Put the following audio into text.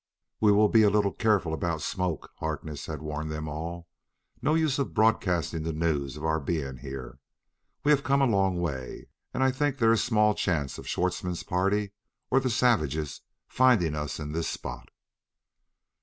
"We will be a little careful about smoke," Harkness had warned them all. "No use of broadcasting the news of our being here. We have come a long way and I think there is small chance of Schwartzmann's party or the savages finding us in this spot."